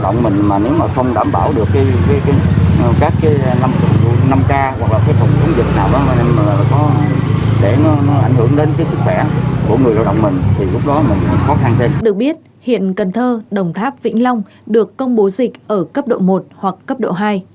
được biết hiện cần thơ đồng tháp vĩnh long được công bố dịch ở cấp độ một hoặc cấp độ hai